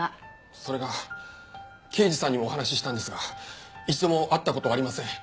それが刑事さんにもお話ししたんですが一度も会った事はありません。